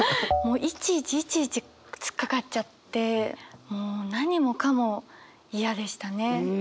いちいちいちいち突っかかっちゃって何もかも嫌でしたね。